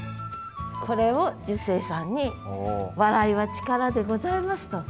これを寿星さんに「笑い」は力でございますと。